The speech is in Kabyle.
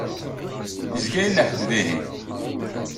Yezga yella ḥedd dihin.